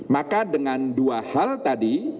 maka dengan dua hal tadi